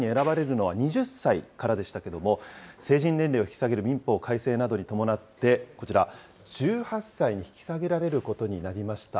これまで裁判員に選ばれるのは２０歳からでしたけれども、成人年齢を引き下げる民法改正などに伴って、こちら、１８歳に引き下げられることになりました。